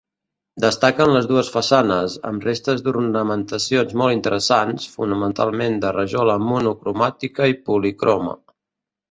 Destaquen les dues façanes, amb restes d'ornamentacions molt interessants, fonamentalment de rajola monocromàtica i policroma.